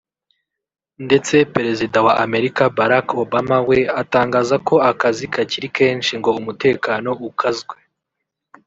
ndetse Perezida wa Amerika Barack Obama we atangaza ko akazi kakiri kenshi ngo umutekano ukazwe